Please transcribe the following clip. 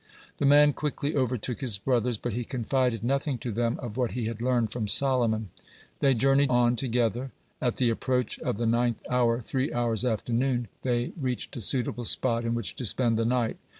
The man quickly overtook his brothers, but he confided nothing to them of what he had learned from Solomon. They journeyed on together. At the approach of the ninth hour three hours after noon they reached a suitable spot in which to spend the night.